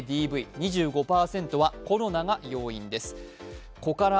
２５％はコロナが要因です。